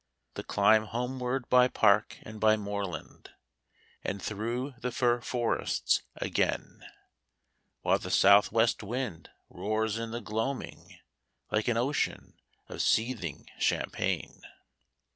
The climb homeward by park and by moorland, And through the fir forests again, While the south west wind roars in the gloaming, Like an ocean of seething champagne.